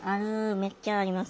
めっちゃあります。